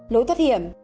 lối thoát hiểm